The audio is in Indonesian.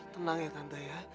tenang ya tante ya